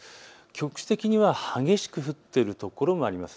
局地的には激しく降っているところもあります。